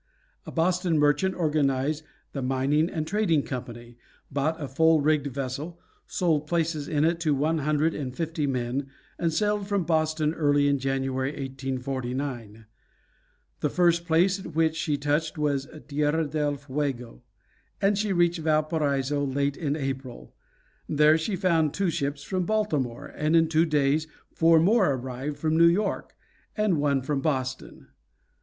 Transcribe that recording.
A Boston merchant organized "The Mining and Trading Company," bought a full rigged vessel, sold places in it to one hundred and fifty men, and sailed from Boston early in January, 1849. The first place at which she touched was Tierra del Fuego, and she reached Valparaiso late in April. There she found two ships from Baltimore, and in two days four more arrived from New York, and one from Boston.